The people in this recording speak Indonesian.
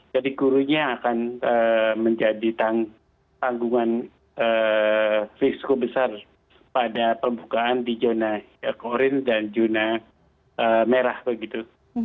jadi gurunya akan menjadi tanggungan fisiko besar pada pembukaan di zona oranye dan zona merah begitu